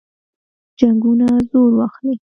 جنګونه زور واخلي.